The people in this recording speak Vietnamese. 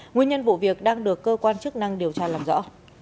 nguyên nhân vụ việc đang được cơ quan chức năng điều tra làm rõ